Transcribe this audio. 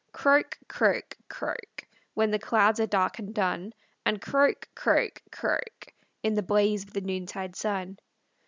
Croak, croak, croak, When the clouds are dark and dun, And croak, croak, croak, In the blaze of the noontide sun.